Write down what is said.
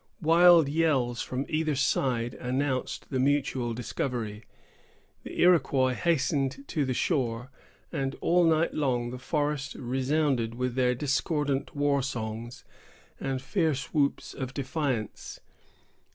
Wild yells from either side announced the mutual discovery. The Iroquois hastened to the shore, and all night long the forest resounded with their discordant war songs and fierce whoops of defiance.